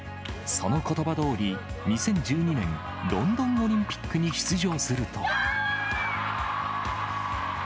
そのことばどおり、２０１２年、ロンドンオリンピックに出場すると。